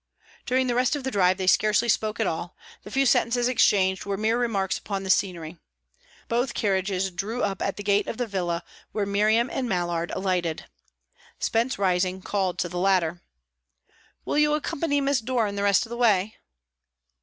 During the rest of the drive they scarcely spoke at all; the few sentences exchanged were mere remarks upon the scenery. Both carriages drew up at the gate of the villa, where Miriam and Mallard alighted. Spence, rising, called to the latter. "Will you accompany Miss Doran the rest of the way?"